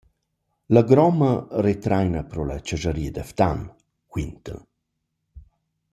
La gromma retraina pro la chascharia da Ftan», quinta’l.